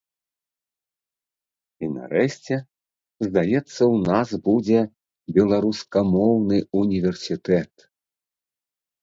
І, нарэшце, здаецца, у нас будзе беларускамоўны універсітэт.